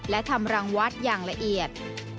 และทำรังวัดอย่างละเอียด